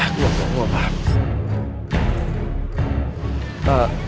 aku gak apa apa